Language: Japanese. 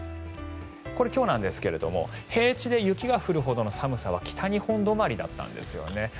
これ、今日なんですが平地で雪が降るところの寒さは北日本止まりだったんですよね。